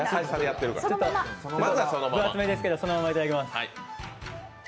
分厚めですけどそのままいただきます。